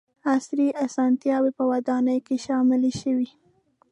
• عصري اسانتیاوې په ودانیو کې شاملې شوې.